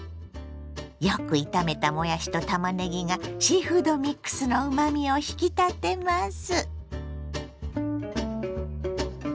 よく炒めたもやしとたまねぎがシーフードミックスのうまみを引き立てます。